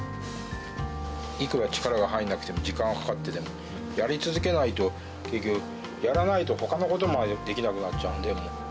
いくら力が入んなくても、時間がかかってでも、やり続けないと、結局、やらないとほかのことまでできなくなっちゃうんで、もう。